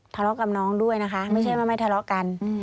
ทะเลาะกับน้องด้วยนะคะไม่ใช่ว่าไม่ทะเลาะกัน